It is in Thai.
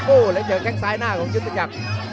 โอ้โหแล้วเจอแค่งซ้ายหน้าของยุทธจักร